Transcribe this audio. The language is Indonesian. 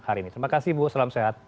hari ini terima kasih bu salam sehat